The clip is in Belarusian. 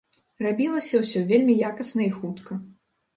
Рабілася ўсё вельмі якасна і хутка.